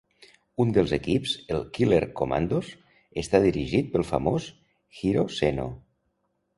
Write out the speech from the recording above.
Un dels equips, el Killer Commandos, està dirigit pel famós Hiro Seno.